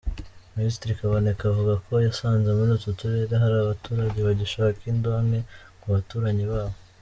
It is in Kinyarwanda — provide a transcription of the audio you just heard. Minisitiri Kaboneka avuga ko yasanze muri utu turere hari abaturage bagishaka indonke kubaturanyi babo.